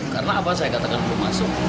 karena apa saya katakan belum masuk